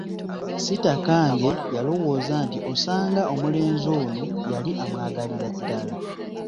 Sitakange yalowooza nti osanga omulenzi ono yali amwagalira ddala.